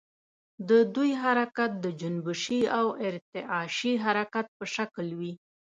د دوی حرکت د جنبشي او ارتعاشي حرکت په شکل وي.